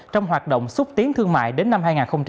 trong hoạt động xúc tiến thương mại đến năm hai nghìn hai mươi